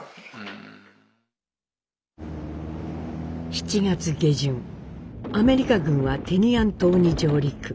７月下旬アメリカ軍はテニアン島に上陸。